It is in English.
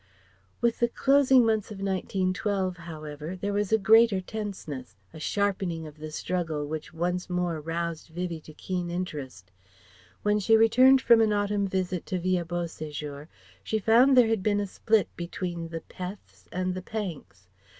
With the closing months of 1912, however, there was a greater tenseness, a sharpening of the struggle which once more roused Vivie to keen interest. When she returned from an autumn visit to Villa Beau séjour she found there had been a split between the "Peths" and the "Panks."